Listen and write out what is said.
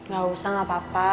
gak usah gak apa apa